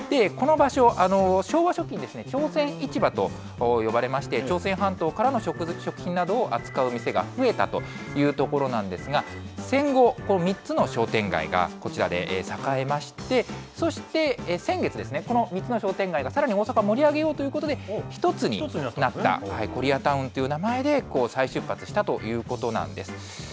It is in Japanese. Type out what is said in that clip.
この場所、昭和初期に朝鮮市場と呼ばれまして、朝鮮半島からの食品などを扱う店が増えたという所なんですが、戦後、３つの商店街がこちらで栄えまして、そして先月、この３つの商店街がさらに大阪を盛り上げようということで、１つになった、コリアタウンという名前で再出発したということなんです。